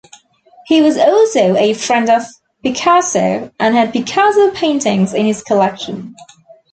He was also a friend of Picasso and had Picasso paintings in his collection.